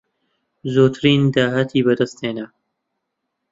زۆرترین داهاتی بەدەستهێنا